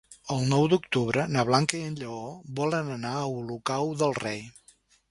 El nou d'octubre na Blanca i en Lleó volen anar a Olocau del Rei.